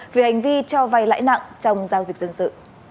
về hành vi cho vay lãi nặng trong giao dịch dân sự